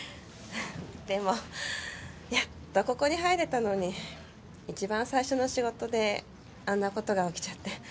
でもやっとここに入れたのに一番最初の仕事であんな事が起きちゃって。